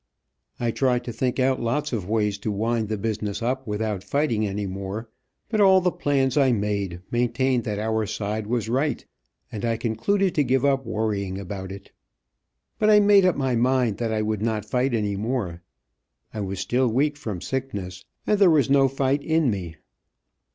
I tried to think out lots of ways to wind the business up without fighting any more, but all the plans I made, maintained that our side was right, and I concluded to give up worrying about it. But I made up my mind that I would not fight any more. I was still weak from sickness, and there was no fight in me.